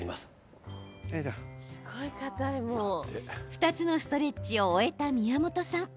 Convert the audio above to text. ２つのストレッチを終えた宮本さん。